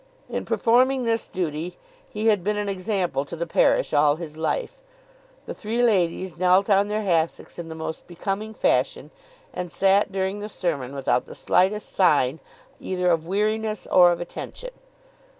In performing this duty he had been an example to the parish all his life. The three ladies knelt on their hassocks in the most becoming fashion, and sat during the sermon without the slightest sign either of weariness or of attention.